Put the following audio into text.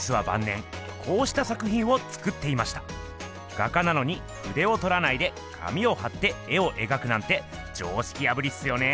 画家なのにふでをとらないで紙をはって絵を描くなんて常識破りっすよね。